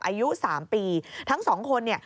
อายุ๓ปีทั้งสองคนเนี่ย